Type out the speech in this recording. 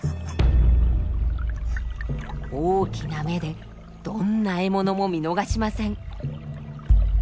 大きな目でどんな獲物も見逃しません。